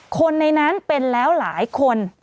คนในนั้นเป็นแล้วหลายคน